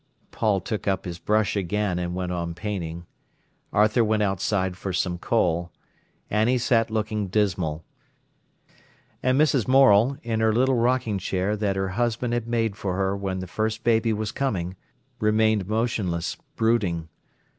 Paul took up his brush again and went on painting. Arthur went outside for some coal. Annie sat looking dismal. And Mrs. Morel, in her little rocking chair that her husband had made for her when the first baby was coming, remained motionless, brooding.